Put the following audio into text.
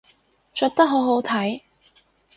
着得好好睇